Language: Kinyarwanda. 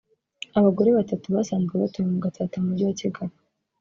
abagore batatu basanzwe batuye mu Gatsata mu Mujyi wa Kigali